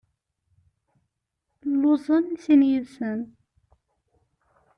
Lluẓen i sin yid-sen.